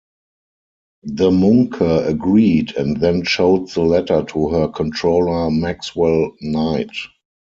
De Muncke agreed and then showed the letter to her controller Maxwell Knight.